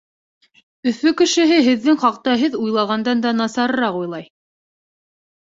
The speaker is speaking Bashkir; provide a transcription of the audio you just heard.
Өфө кешеһе һеҙҙең хаҡта һеҙ уйлағандан да насарыраҡ уйлай.